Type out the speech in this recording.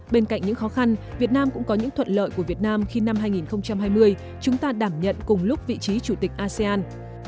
bên cạnh những khó khăn việt nam cũng có những thuận lợi của việt nam khi năm hai nghìn hai mươi chúng ta đảm nhận cùng lúc vị trí chủ tịch asean